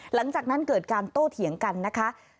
หลังจากนั้นเกิดการโต้เถียงกันนะคะ